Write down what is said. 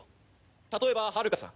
例えばはるかさん